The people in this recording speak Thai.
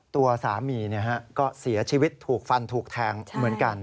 ตัวสามีก็เสียชีวิตถูกฟันถูกแทงเหมือนกัน